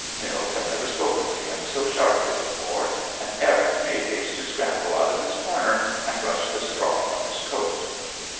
Nils had never spoken to him so sharply before, and Eric made haste to scramble out of his corner and brush the straw from his coat.